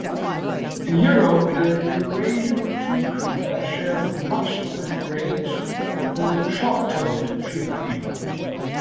In Europe, the Eurasian treecreeper shares much of its range with the short-toed treecreeper.